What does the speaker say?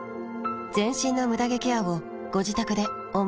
全身のムダ毛ケアをご自宅で思う存分。